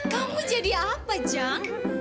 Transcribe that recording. kamu jadi apa jang